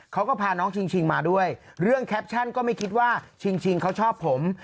เขาก็พาน้องชิงมาด้วยเรื่องแคปชั่นก็ไม่คิดว่าชิงเขาชอบผม